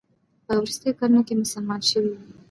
په وروستیو کلونو کې مسلمان شوی دی.